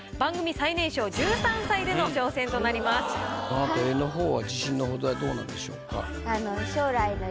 あなた絵の方は自信の程はどうなんでしょうか？